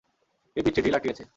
এই পিচ্চি, ড্রিল আটকে গেছে।